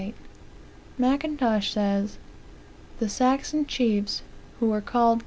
Mackintosh says:"The Saxon chiefs, who were called.